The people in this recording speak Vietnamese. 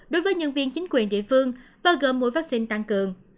đối với nhân viên chính quyền địa phương và gồm mũi vaccine tăng cường